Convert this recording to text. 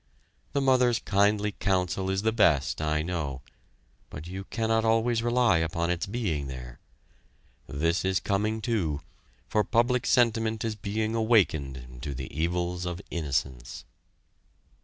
The mother's kindly counsel is the best, I know, but you cannot always rely upon its being there. This is coming, too, for public sentiment is being awakened to the evils of innocence.